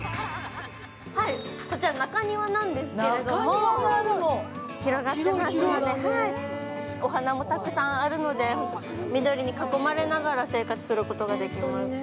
こちら中庭なんですけれども広がっていますので、お花もたくあるので緑に囲まれながら生活することができます。